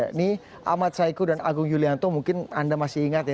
ini ahmad saiku dan agung yulianto mungkin anda masih ingat ya